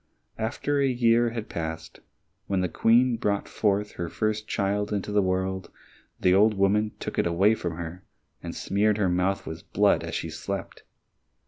After a year had passed, when the Queen brought her first child into the world, the old woman took it away from her, and smeared her mouth with blood as she slept.